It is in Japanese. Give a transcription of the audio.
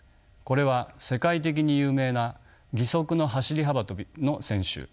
これは世界的に有名な義足の走り幅跳びの選手